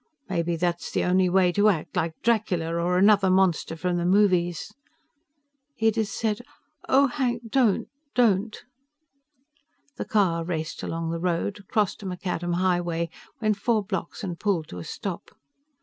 Maybe that's the only way to act, like Dracula or another monster from the movies." Edith said, "Oh, Hank, don't, don't!" The car raced along the road, crossed a macadam highway, went four blocks and pulled to a stop.